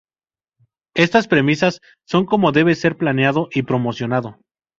Estas premisas son como debe ser planeado y promocionado.